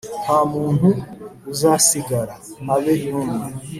Nta muntu uzasigara, habe n’umwe